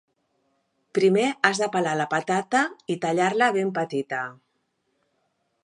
Primer has de pelar la patata i tallar-la ben petita.